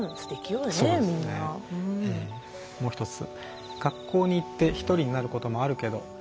もう一つ。